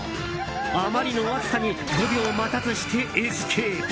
あまりの暑さに５秒待たずしてエスケープ。